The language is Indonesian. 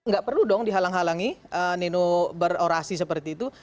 nggak perlu dong dihalang halangi nino berorasi seperti itu